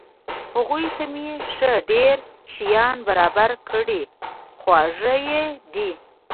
هغوی ته مې ښه ډېر شیان برابر کړي، خواږه یې دي.